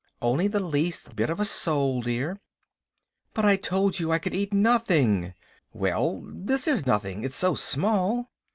"Only the least little bit of a sole, dear." "But I told you I could eat nothing." "Well, this is nothing, it is so small."